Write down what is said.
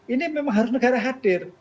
ini memang harus negara hadir